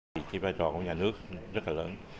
vì vậy vai trò của nhà nước rất là lớn